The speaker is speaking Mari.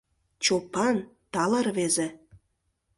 Чопан — тале рвезе.